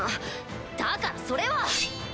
だからそれは！